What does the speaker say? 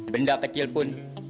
benda kecil pun